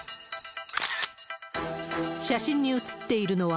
写真に写っているのは、